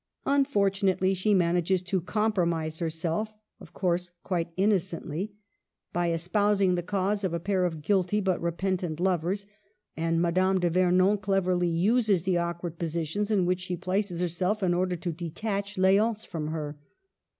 Unfor tunately, she manages to compromise herself (of course quite innocently) by espousing the cause Digitized by VjOOQLC 222 MADAME DE STAEL. of a pair of guilty but repentant lovers; and Madame de Vernon cleverly uses the awkward positions in which she places herself, in order to detach L^once from her.